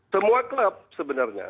semua klub sebenarnya